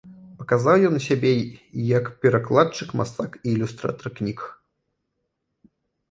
Паказаў ён сябе і як перакладчык, мастак і ілюстратар кніг.